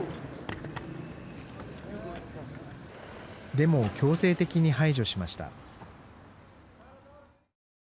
デモを強制的に排除しました。